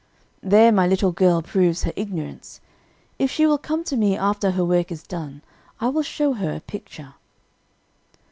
"There my little girl proves her ignorance. If she will come to me after her work is done, I will show her a picture."